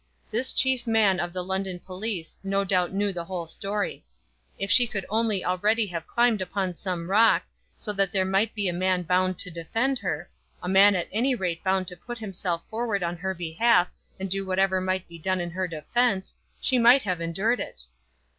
This chief man of the London police no doubt knew the whole story. If she could only already have climbed upon some rock, so that there might be a man bound to defend her, a man at any rate bound to put himself forward on her behalf and do whatever might be done in her defence, she might have endured it!